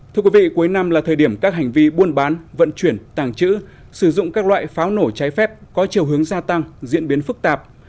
thưa quý vị cuối năm là thời điểm các hành vi buôn bán vận chuyển tàng trữ sử dụng các loại pháo nổ trái phép có chiều hướng gia tăng diễn biến phức tạp